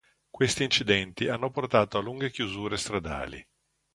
Questi incidenti hanno portato a lunghe chiusure stradali.